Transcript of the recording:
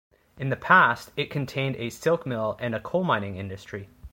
In the past, it contained a silk mill and a coal mining industry.